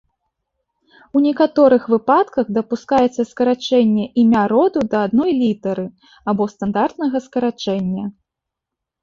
У некаторых выпадках дапускаецца скарачэнне імя роду да адной літары або стандартнага скарачэння.